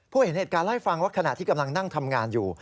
เห็นเหตุการณ์เล่าให้ฟังว่าขณะที่กำลังนั่งทำงานอยู่